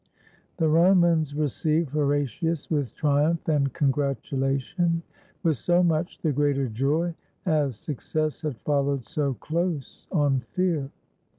The Romans receive Horatius with triumph and con gratulation; with so much the greater joy, as success had followed so close on fear.